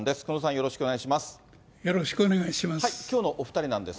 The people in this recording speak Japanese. よろしくお願いします。